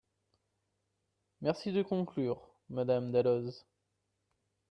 Merci de conclure, Madame Dalloz.